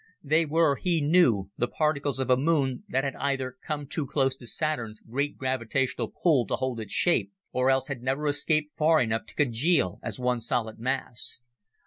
They were, he knew, the particles of a moon that had either come too close to Saturn's great gravitational pull to hold its shape, or else had never escaped far enough to congeal as one solid mass.